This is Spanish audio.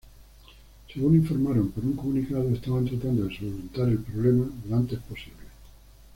Según informaron por un comunicado, estaban tratando de solventar el problema lo antes posible.